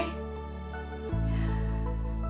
tidak ada yang mengatakan